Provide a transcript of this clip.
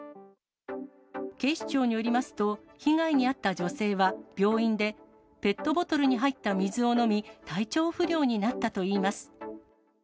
警視庁によりますと、被害に遭った女性は、病院でペットボトルに入った水を飲み、体調不良になったといいます。